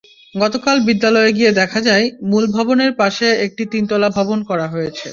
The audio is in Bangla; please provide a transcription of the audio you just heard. গতকাল বিদ্যালয়ে গিয়ে দেখা যায়, মূল ভবনের পাশে একটি তিনতলা ভবন করা হয়েছে।